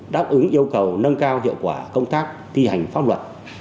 đáp ứng yêu cầu nâng cao hiệu quả công tác thi hành pháp luật